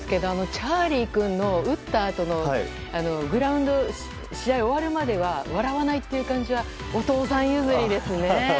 チャーリー君の打ったあとのグラウンド、試合が終わるまでは笑わない感じはお父さん譲りですね。